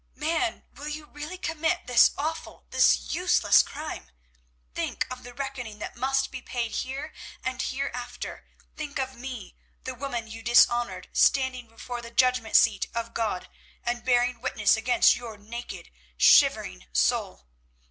Man, will you really commit this awful, this useless crime? Think of the reckoning that must be paid here and hereafter; think of me, the woman you dishonoured, standing before the Judgment Seat of God, and bearing witness against your naked, shivering soul.